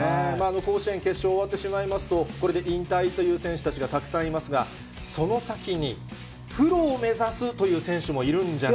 甲子園決勝終わってしまいますと、これで引退という選手たちがたくさんいますが、その先に、プロを目指すという選手もいるんじゃな